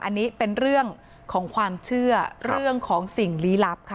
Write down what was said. อันนี้เป็นเรื่องของความเชื่อเรื่องของสิ่งลี้ลับค่ะ